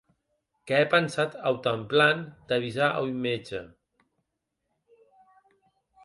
Qu'è pensat autanplan d'avisar a un mètge.